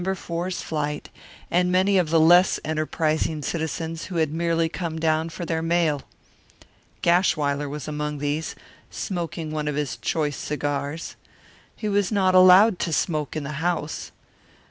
4's flight, and many of the less enterprising citizens who had merely come down for their mail. Gashwiler was among these, smoking one of his choice cigars. He was not allowed to smoke in the house.